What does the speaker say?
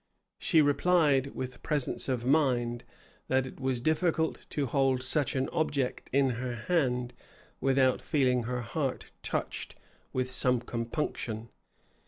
[] She replied, with presence of mind, that it was difficult to hold such an object in her hand without feeling her heart touched with some compunction.